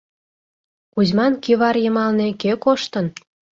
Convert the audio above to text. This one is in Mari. — Кузьман кӱвар йымалне кӧ коштын?